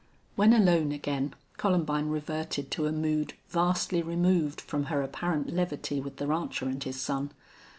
When alone again Columbine reverted to a mood vastly removed from her apparent levity with the rancher and his son.